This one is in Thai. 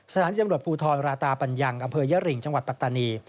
สถานจำรวจภูทรราตาปัญญังอำเภอยริงจังหวัดปัตตานี